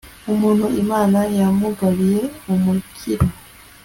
umuntu imana yamugabiye umukiro